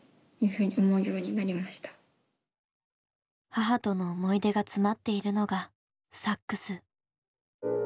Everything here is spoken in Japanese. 母との思い出が詰まっているのがサックス。